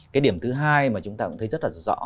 cái điểm thứ hai mà chúng ta cũng thấy rất là rõ